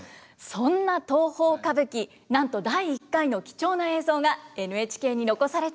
そんな東宝歌舞伎なんと第１回の貴重な映像がＮＨＫに残されています。